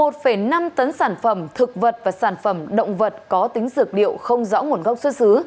một năm tấn sản phẩm thực vật và sản phẩm động vật có tính dược liệu không rõ nguồn gốc xuất xứ